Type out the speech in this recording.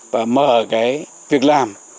và mở việc làm